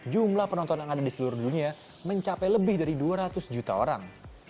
jumlah penonton yang ada di seluruh dunia mencapai lebih dari dua ratus juta orang